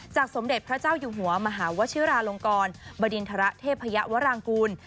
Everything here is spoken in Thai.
สมเด็จพระเจ้าอยู่หัวมหาวชิราลงกรบดินทรเทพยวรางกูล